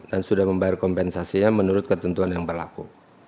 dan sudah membayar kompensasinya menurut ketentuan yang berlaku